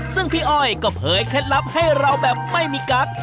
ซึ่งพี่อ้อยก็เผยเคล็ดลับให้เราแบบไม่มีกั๊ก